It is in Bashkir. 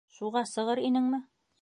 Шуға сығыр инеңме?